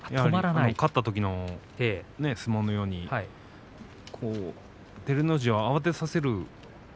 勝ったときの相撲のように照ノ富士を慌てさせる。